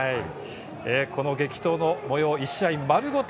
この激闘のもよう１試合丸ごと